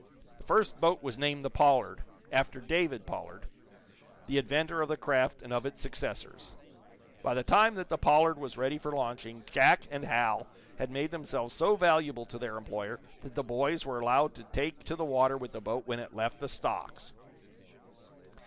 The first boat was named the "Pollard," after David Pollard, the inventor of the craft and of its successors. By the time that the "Pollard" was ready for launching Jack and Hal had made themselves so valuable to their employer that the boys were allowed to take to the water with the boat when it left the stocks.